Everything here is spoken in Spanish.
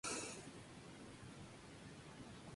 Hace parte del Distrito Metropolitano de Caracas.